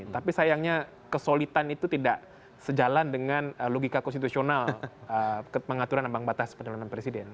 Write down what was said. tapi sayangnya kesolidan itu tidak sejalan dengan logika konstitusional pengaturan abang batas pendidikan presiden